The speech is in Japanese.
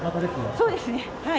そうですね、はい。